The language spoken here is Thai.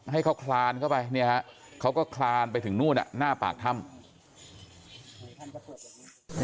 ให้เขาคลานเข้าไปเนี่ยฮะเขาก็คลานไปถึงนู่นหน้าปากถ้ำ